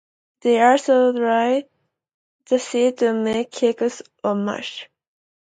They also dry the seeds to make cakes or mush.